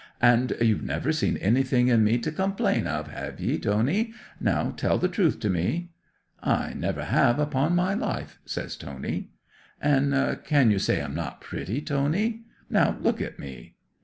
'"And you've never seen anything in me to complain of, have ye, Tony? Now tell the truth to me?" '"I never have, upon my life," says Tony. '"And—can you say I'm not pretty, Tony? Now look at me!"